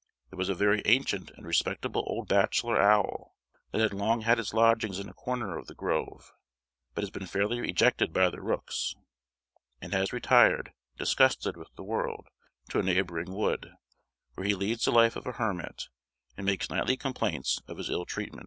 There was a very ancient and respectable old bachelor owl that had long had his lodgings in a corner of the grove, but has been fairly ejected by the rooks, and has retired, disgusted with the world, to a neighbouring wood, where he leads the life of a hermit, and makes nightly complaints of his ill treatment.